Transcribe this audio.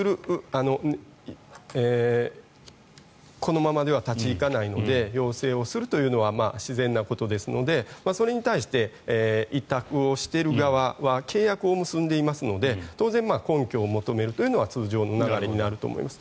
このままでは立ち行かないので要請をするというのは自然なことですのでそれに対して委託をしている側は契約を結んでいますので当然根拠を求めるのは通常の流れだと思います。